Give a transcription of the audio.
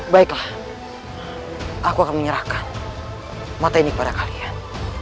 baiklah aku akan menyerahkan mata ini kepada kalian